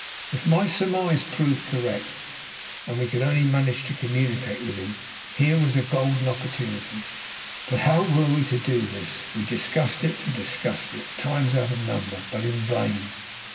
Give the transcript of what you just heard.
If my surmise proved correct, and we could only manage to communicate with him, here was a golden opportunity. But how were we to do this? We discussed it, and discussed it, times out of number, but in vain.